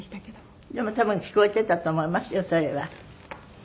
でも多分聞こえてたと思いますよそれは。